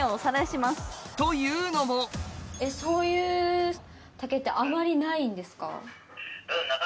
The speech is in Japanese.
というのもそういう竹ってあまりないんですか？